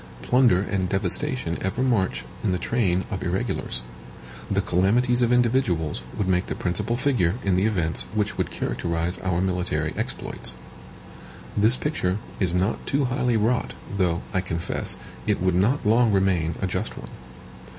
PLUNDER and devastation ever march in the train of irregulars. The calamities of individuals would make the principal figure in the events which would characterize our military exploits. This picture is not too highly wrought; though, I confess, it would not long remain a just one.